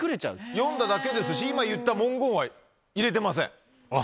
読んだだけですし、今言った文言は入れてません。